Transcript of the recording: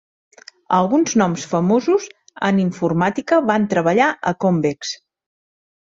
Alguns noms famosos en informàtica van treballar a Convex.